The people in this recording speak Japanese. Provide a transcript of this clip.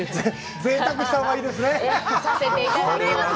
ぜいたくしたほうがいいですね。